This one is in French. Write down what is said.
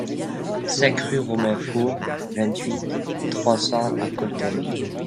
cinq rue Romain Foure, vingt-huit, trois cents à Coltainville